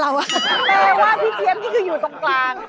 แปลว่าพี่เจี๊ยบนี่คืออยู่ตรงกลาง